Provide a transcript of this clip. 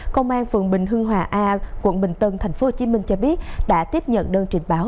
công an phường bình hưng hòa a quận bình tân tp hcm cho biết đã tiếp nhận đơn trình báo